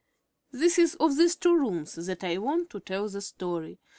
It is of these two rooms that I want to tell the story.